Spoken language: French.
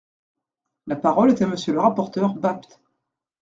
La parole est à Monsieur le rapporteur Bapt.